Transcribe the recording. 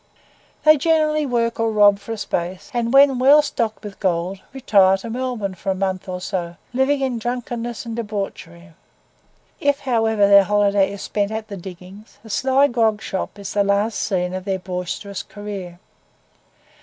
They generally work or rob for a space, and when well stocked with gold, retire to Melbourne for a month or so, living in drunkenness and debauchery. If, however, their holiday is spent at the diggings, the sly grog shop is the last scene of their boisterous career.